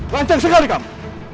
lanceng sekali kamu